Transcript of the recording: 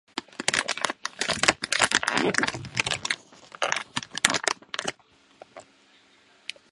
皱杯贝为偏盖螺科偏盖螺属下的一个种。